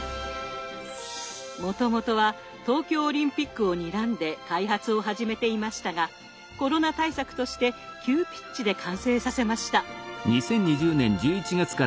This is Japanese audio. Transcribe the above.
もともとは東京オリンピックをにらんで開発を始めていましたがコロナ対策として急ピッチで完成させました。